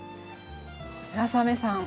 村雨さん！